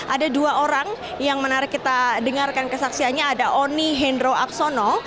ada dua orang yang menarik kita dengarkan kesaksiannya ada oni hendro aksono